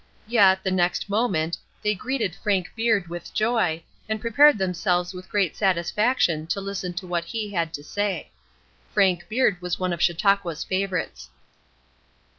Yet, the next moment, they greeted Frank Beard with joy, and prepared themselves with great satisfaction to listen to what he had to say. Frank Beard was one of Chautauqua's favorites.